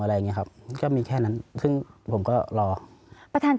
อะไรอย่างนี้ครับก็มีแค่นั้น